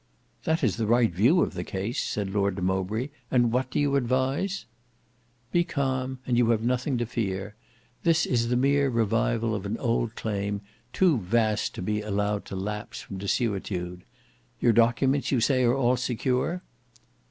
"That is the right view of the case," said Lord de Mowbray; "and what do you advise?" "Be calm, and you have nothing to fear. This is the mere revival of an old claim, too vast to be allowed to lapse from desuetude. Your documents you say are all secure?"